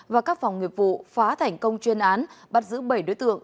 và các phòng nghiệp vụ phá thành công chuyên án bắt giữ bảy đối tượng